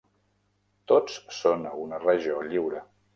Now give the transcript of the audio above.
Tots són a una regió lliure.